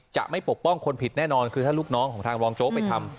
จะไม่ปกป้องคนผิดแน่นอนคือถ้าลูกน้องของทางรองโจ๊กไปทำ